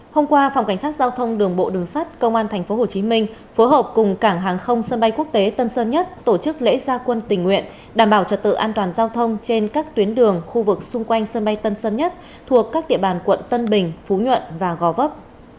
hôm qua phòng cảnh sát giao thông đường bộ đường sát công an tp hcm phối hợp cùng cảng hàng không sân bay quốc tế tân sơn nhất tổ chức lễ gia quân tình nguyện đảm bảo trật tự an toàn giao thông trên các tuyến đường khu vực xung quanh sân bay tân sơn nhất thuộc các địa bàn quận tân bình phú nhuận và gò vấp